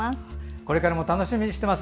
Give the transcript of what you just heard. これからも楽しみにしてます。